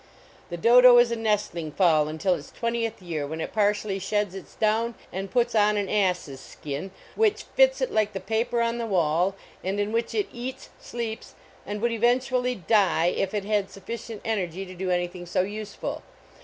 The Dodo is a nestling fowl until its twen tieth year, when it partially sheds its down and puts on an ass s skin, which fits it like the paper on the wall, and in which it eats, sleeps, and would eventually die if it had suffi cient energy to do anything so useful.